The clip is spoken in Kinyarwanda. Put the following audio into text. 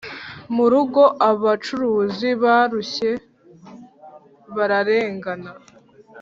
murugo abacuruzi barushye bararengana,